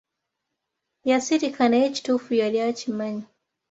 Yasirika naye ekituufu yali akimanyi.